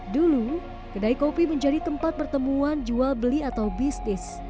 dulu kedai kopi menjadi tempat pertemuan jual beli atau bisnis